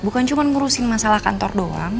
bukan cuma ngurusin masalah kantor doang